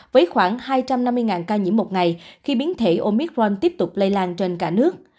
với khoảng hai trăm năm mươi ca nhiễm một ngày khi biến thể omicron tiếp tục lây lan trên cả nước